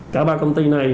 cả ba công ty này